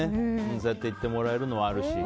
そうやって言ってもらえるのもあるし。